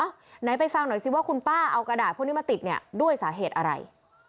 ไหนไปฟังหน่อยสิว่าคุณป้าเอากระดาษพวกนี้มาติดเนี่ยด้วยสาเหตุอะไร